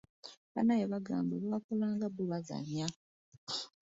Bannaabwe baabanga bakola nga bo bazannya.